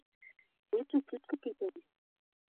Кече кӱшкӧ кӱзен.